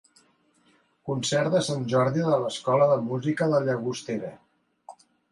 Concert de Sant Jordi de l'Escola de Música de Llagostera.